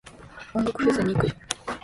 音楽フェス行く。